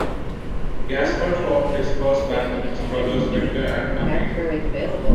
Gaspard formed his first band with his brothers Victor and Amade.